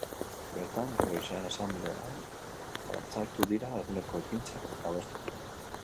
Bertan, gaur goizean asanblean batzartu dira, eguneko ekintzak adosteko.